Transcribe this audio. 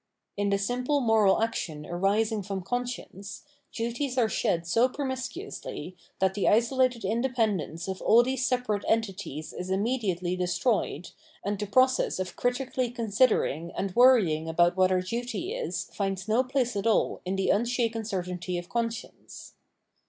In the simple moral action arising from conscience, duties are shed so promiscuously that the isolated independence of aU these separate entities is immediately destroyed, and the process of critically considering and worrying about what our duty is finds no place at all in the unshaken certainty of conscience.